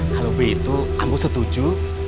kalau begitu ambo setuju